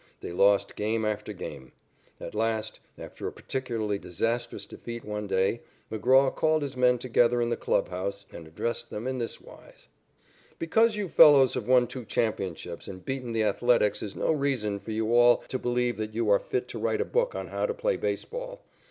They lost game after game. At last, after a particularly disastrous defeat one day, McGraw called his men together in the clubhouse and addressed them in this wise: "Because you fellows have won two championships and beaten the Athletics is no reason for you all to believe that you are fit to write a book on how to play baseball.